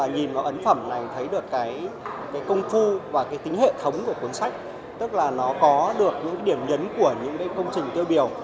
nhìn vào ấn phẩm này thấy được cái công phu và cái tính hệ thống của cuốn sách tức là nó có được những điểm nhấn của những công trình tiêu biểu